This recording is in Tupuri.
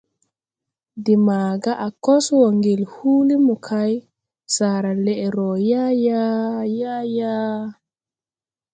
De maga a kos wo ŋgel húúli mo kay, saara leʼ roo yaayaa ! Yaayaa !